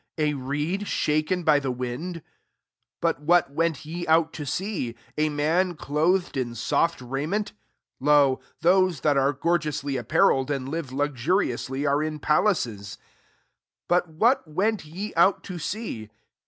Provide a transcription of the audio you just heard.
coed shaken by the wind ?: what went ye out to see ? man clotlied in soft rai ^? Loi those that are gor iy apparelled, and live >usly, are in palaces. 26 lliprbat went ye out to see